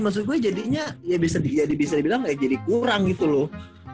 maksud gue jadinya ya bisa dibilang kayak jadi kurang gitu loh